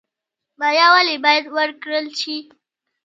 مالیه ولې باید ورکړل شي؟